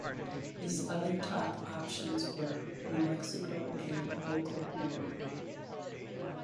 His other top options were New Mexico and Oklahoma.